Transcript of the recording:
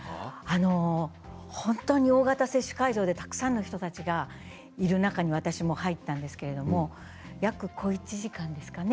本当に大型接種会場でたくさんの人たちがいる中に私も入ったんですけど約小一時間ですかね。